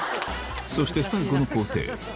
そして最後の工程